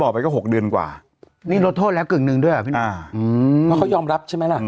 เพราะเขายอมรับใช่ไหมล่ะ